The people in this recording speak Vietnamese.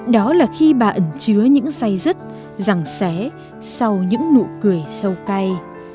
đó là khi bà ẩn chứa những say rứt rằng xé sau những nụ cười sâu cay